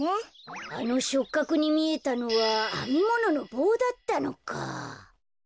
あのしょっかくにみえたのはあみもののぼうだったのか。